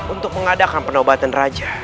untuk mengadakan penobatan raja